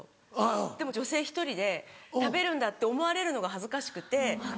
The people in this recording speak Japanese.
でも女性１人で食べるんだって思われるのが恥ずかしくて。